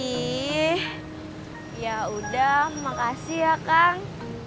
ya udah makasih ya kang